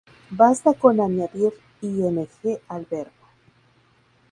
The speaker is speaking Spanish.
Basta con añadir ""ing"" al verbo.